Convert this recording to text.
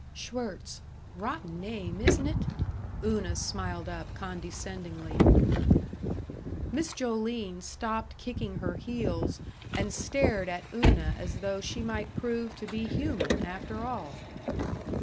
"Schwirtz. Rotten name, isn't it?" Una smiled up condescendingly. Miss Joline stopped kicking her heels and stared at Una as though she might prove to be human, after all.